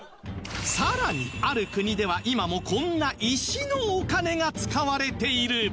さらにある国では今もこんな石のお金が使われている